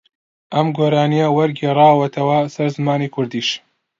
ئەم گۆرانییە وەرگێڕاوەتەوە سەر زمانی کوردیش